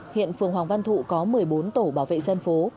hiện phường hoàng văn thụ có một mươi bốn tổ bảo vệ dân phố